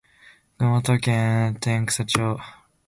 熊本県上天草市